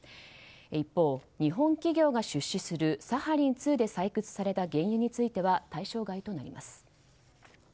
一方、日本企業が出資するサハリン２で採掘された原油については対象外となります。